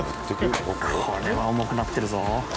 これは重くなってるぞ。